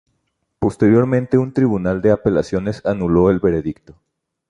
Posteriormente un tribunal de apelaciones anuló el veredicto.